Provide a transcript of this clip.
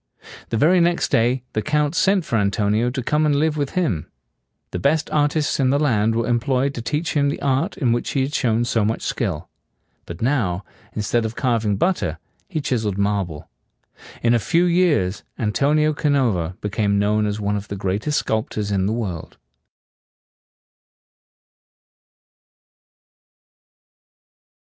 The very next day the Count sent for Antonio to come and live with him. The best artists in the land were em ployed to teach him the art in which he had shown so much skill; but now, instead of carving butter, he chis eled marble. In a few years, Antonio Canova became known as one of the greatest sculptors in the world.